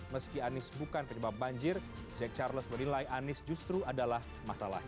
meski anies bukan penyebab banjir jack charles menilai anies justru adalah masalah